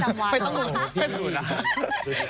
โอ้โหชื่อเสียงในโรงเรียนสวนกุหลาบ